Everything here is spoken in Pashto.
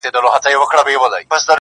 که انسان چیري تر شا خورجین لیدلای -